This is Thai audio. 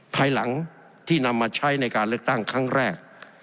ภายหลังที่นำมาใช้ในการเลือกตั้งครั้งแรก